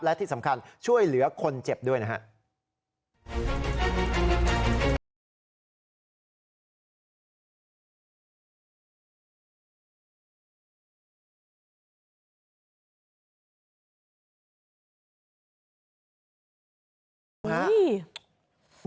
และที่สำคัญช่วยเหลือคนเจ็บด้วยนะครับ